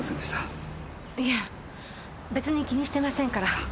いえ別に気にしてませんから。